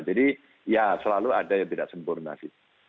jadi ya selalu ada yang tidak sempurna sih